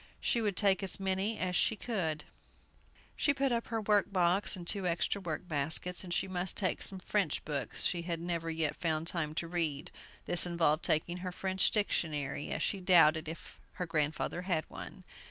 She would take as many as she could make room for. She put up her work box and two extra work baskets, and she must take some French books she had never yet found time to read. This involved taking her French dictionary, as she doubted if her grandfather had one.